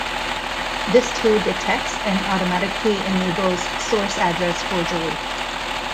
This tool detects and automatically enables source address forgery.